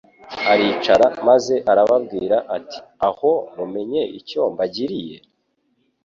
Aricara maze arababwira ati: «Aho mumenye icyo mbagiriye?»